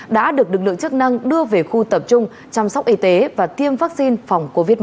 đã được lực lượng chức năng đưa về khu tập trung chăm sóc y tế và tiêm vaccine phòng covid một mươi chín